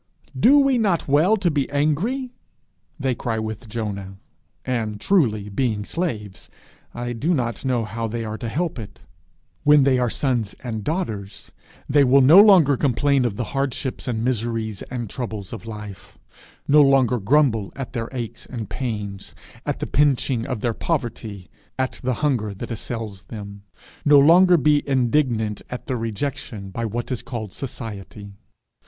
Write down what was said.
'Do we not well to be angry?' they cry with Jonah; and, truly, being slaves, I do not know how they are to help it. When they are sons and daughters, they will no longer complain of the hardships, and miseries, and troubles of life; no longer grumble at their aches and pains, at the pinching of their poverty, at the hunger that assails them; no longer be indignant at their rejection by what is called Society.